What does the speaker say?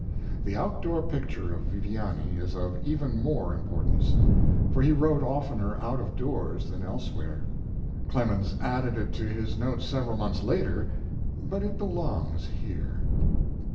The outdoor picture of Viviani is of even more importance, for he wrote oftener out of doors than elsewhere. Clemens added it to his notes several months later, but it belongs here.